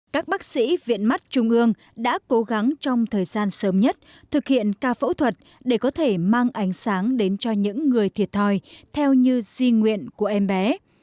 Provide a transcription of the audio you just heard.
các bác sĩ viện mắt trung ương đã cố gắng trong thời gian sớm nhất thực hiện ca phẫu thuật để có thể mang ánh sáng đến cho những người thiệt thòi theo như di nguyện của em bé